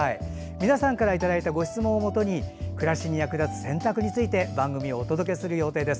皆さんからいただいたご質問をもとに暮らしに役立つ洗濯についてお届けする予定です。